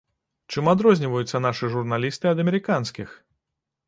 Чым адрозніваюцца нашы журналісты ад амерыканскіх?